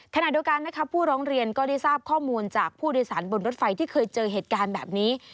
ขณะเดียวกันนะครับผู้ร้องเรียนก็ได้ทราบข้อมูลจากผู้โดยสารบนรถไฟที่เคยเจอเหตุการณ์แบบนี้